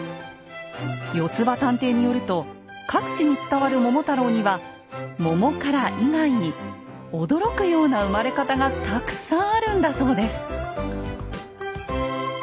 よつば探偵によると各地に伝わる「桃太郎」には「桃から」以外に驚くような生まれ方がたくさんあるんだそうです。